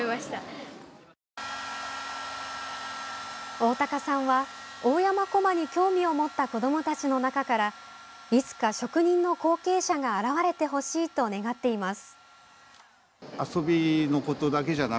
大高さんは、大山こまに興味を持った子どもたちの中からいつか職人の後継者が現れてほしいと願っています。